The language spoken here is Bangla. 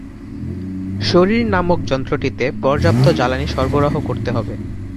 শরীর নামক যন্ত্রটিতে পর্যাপ্ত জ্বালানী সরবরাহ করতে হবে।